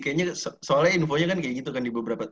kayaknya soalnya infonya kan kayak gitu kan di beberapa